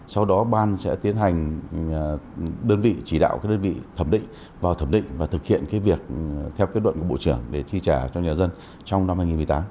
sau đó ban sẽ tiến hành đơn vị chỉ đạo đơn vị thẩm định vào thẩm định và thực hiện việc theo kết luận của bộ trưởng để chi trả cho nhà dân trong năm hai nghìn một mươi tám